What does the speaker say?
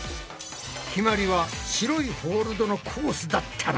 ひまりは白いホールドのコースだったな。